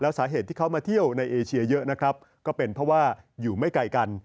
สาเหตุที่เขามาเที่ยวในเอเชียเยอะนะครับก็เป็นเพราะว่าอยู่ไม่ไกลกัน